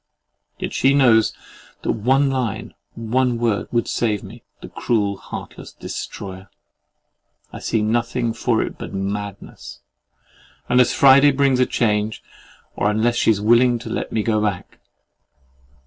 —Yet she knows that one line, one word would save me, the cruel, heartless destroyer! I see nothing for it but madness, unless Friday brings a change, or unless she is willing to let me go back.